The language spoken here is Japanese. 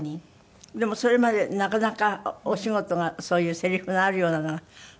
でもそれまでなかなかお仕事がそういうせりふのあるようなのがあまりこなかったの？